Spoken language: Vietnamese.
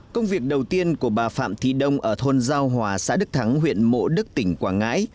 công việc đầu tiên của bà phạm thị đông ở thôn giao hòa xã đức thắng huyện mộ đức tỉnh quảng ngãi